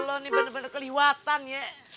lo ini bener bener keliwatan ya